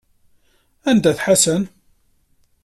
Anda-t Ḥasan?